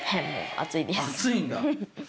暑いんだ。